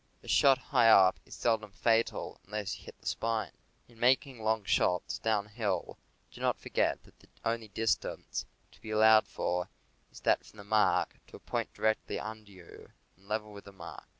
A shot high up is seldom fatal, unless you hit the spine. In making long shots downhill, do not forget that the only distance to be allowed for is that from the mark to a point directly under you and level with the mark.